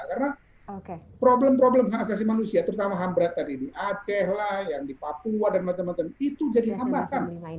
karena problem problem asasi manusia terutama hambrat tadi di aceh lah yang di papua dan macam macam itu jadi tambahkan